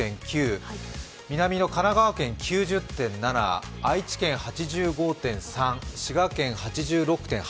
南の神奈川県、９０．７、愛知県８５．３、滋賀県８６．８です。